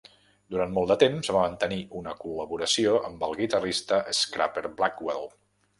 Durant molt de temps va mantenir una col·laboració amb el guitarrista Scrapper Blackwell.